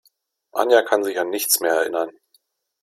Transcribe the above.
Anja kann sich an nichts mehr erinnern.